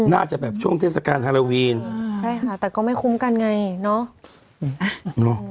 น่าจะแบบช่วงเทศกาลฮาโลวีนใช่ค่ะแต่ก็ไม่คุ้มกันไงเนาะ